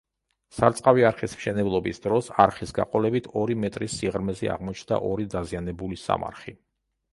სარწყავი არხის მშენებლობის დროს, არხის გაყოლებით ორი მეტრის სიღრმეზე აღმოჩნდა ორი დაზიანებული სამარხი.